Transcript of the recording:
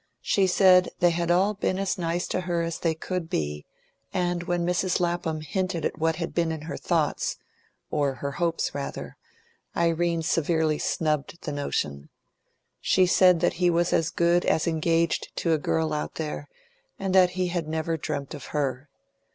She said they had all been as nice to her as they could be, and when Mrs. Lapham hinted at what had been in her thoughts, or her hopes, rather, Irene severely snubbed the notion. She said that he was as good as engaged to a girl out there, and that he had never dreamt of her.